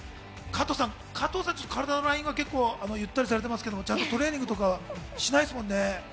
加藤さん、体のラインはゆったりされてますけど、トレーニングとかしないですもんね。